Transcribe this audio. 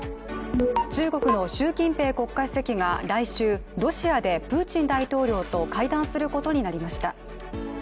中国の習近平国家主席が来週ロシアでプーチン大統領と会談することになりました。